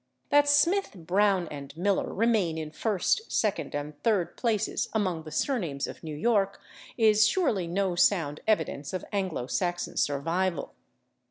That /Smith/, /Brown/ and /Miller/ remain in first, second and third places among the surnames of New York is surely no sound evidence of Anglo Saxon survival.